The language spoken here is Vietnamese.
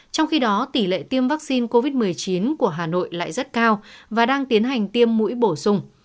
trong khi đó tỷ lệ tiêm vaccine covid một mươi chín của hà nội lại rất cao và đang tiến hành tiêm mũi bổ sung